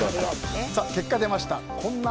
結果が出ました。